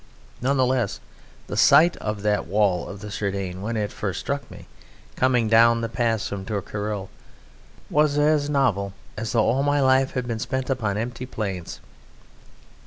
None the less the sight of that wall of the Cerdagne, when first it struck me, coming down the pass from Tourcarol, was as novel as though all my life had been spent upon empty plains.